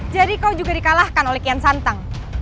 jadi kau juga dikalahkan oleh kian santang